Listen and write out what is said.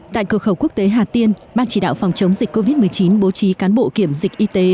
tại cửa khẩu quốc tế hà tiên ban chỉ đạo phòng chống dịch covid một mươi chín bố trí cán bộ kiểm dịch y tế